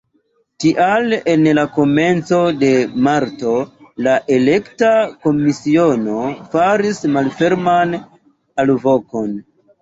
Tial en la komenco de marto la elekta komisiono faris malferman alvokon.